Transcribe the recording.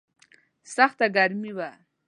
سخته ګرمي وه.